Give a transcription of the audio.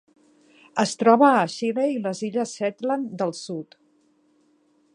Es troba a Xile i les illes Shetland del Sud.